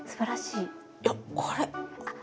いやこれ。